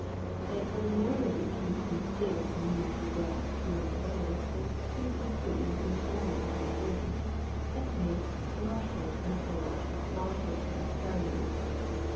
They ordinarily keep concealed beneath the grass during the day, and seek their food, in the morning and evening, amidst the rushes and herbs of marshes and prairies.